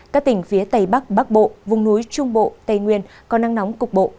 các tỉnh phía tây bắc bắc bộ vùng núi trung bộ tây nguyên có năng nóng cục bộ